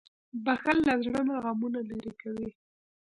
• بښل له زړه نه غمونه لېرې کوي.